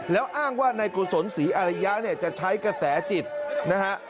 แล้วอ้างว่านายกุศลศรีอาริยะเนี่ยจะใช้กระแสจิตนะฮะ